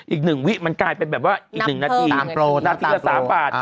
อีก๑วิมันกลายเป็นแบบว่าอีก๑นาทีนาทีละ๓บาท